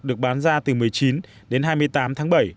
được bán ra từ một mươi chín đến hai mươi tám tháng bảy